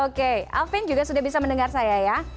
oke alvin juga sudah bisa mendengar saya ya